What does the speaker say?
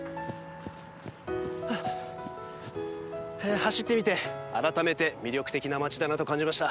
走ってみて改めて魅力的な街だなと感じました。